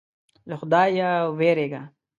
له خدایه وېرېږه.